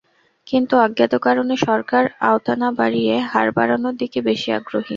কিন্তু অজ্ঞাত কারণে সরকার আওতা না বাড়িয়ে হার বাড়ানোর দিকে বেশি আগ্রহী।